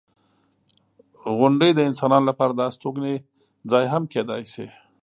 • غونډۍ د انسانانو لپاره د استوګنې ځای هم کیدای شي.